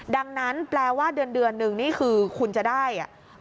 ดังนั้นแปลว่าเดือนนึงนี่คือคุณจะได้